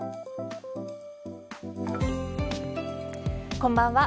こんばんは。